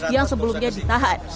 yang sebelumnya ditahan